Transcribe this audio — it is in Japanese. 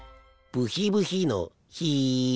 ブヒブヒのヒ。